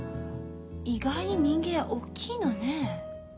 意外に人間大きいのねえ。